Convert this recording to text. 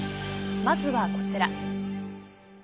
まずはこちら。